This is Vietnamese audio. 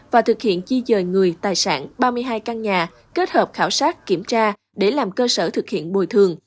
và thực hiện di dời người tài sản ba mươi hai căn nhà kết hợp khảo sát kiểm tra để làm cơ sở thực hiện bồi thường